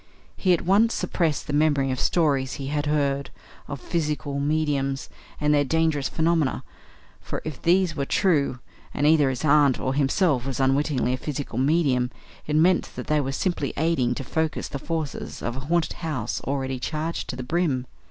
He at once suppressed the memory of stories he had heard of "physical mediums" and their dangerous phenomena; for if these were true, and either his aunt or himself was unwittingly a physical medium, it meant that they were simply aiding to focus the forces of a haunted house already charged to the brim.